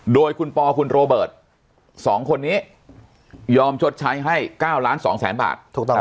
โดยคุณปคุณโรเบิร์ต๒คนนี้ยอมชดใช้ให้๙ล้าน๒แสนบาท